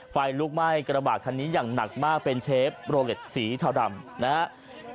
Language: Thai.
ไฟลุกไหม้กระบาดคันนี้อย่างหนักมากเป็นเชฟโรเล็ตสีเทาดำนะครับ